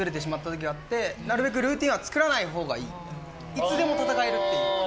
いつでも戦えるっていう。